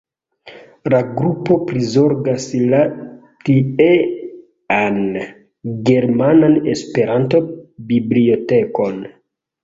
La grupo prizorgas la tiean Germanan Esperanto-Bibliotekon.